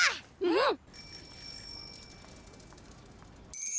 うん！